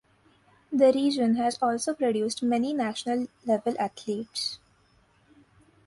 The region has also produced many national level athletes.